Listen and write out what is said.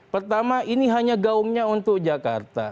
pertama ini hanya gaungnya untuk jakarta